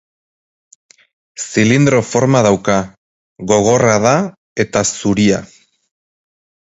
Zilindro forma dauka, gogorra da eta zuria.